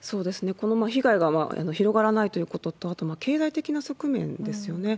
この被害が広がらないということと、あと経済的な側面ですよね。